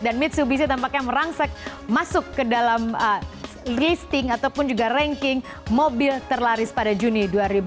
dan mitsubishi tampaknya merangsak masuk ke dalam listing ataupun juga ranking mobil terlaris pada juni dua ribu enam belas